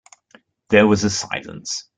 There was a silence.